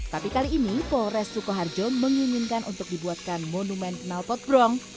tapi kali ini polres sukoharjo menginginkan untuk dibuatkan monumen kenalpot brong